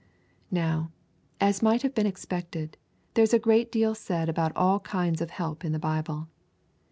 Now, as might have been expected, there is a great deal said about all kinds of help in the Bible.